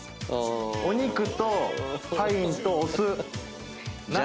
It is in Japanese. お肉とパインとお酢なす。